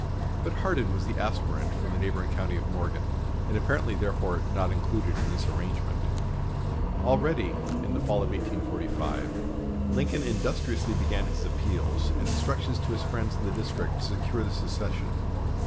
But Hardin was the aspirant from the neighboring county of Morgan, and apparently therefore not included in this arrangement. Already, in the fall of 1845, Lincoln industriously began his appeals and instructions to his friends in the district to secure the succession.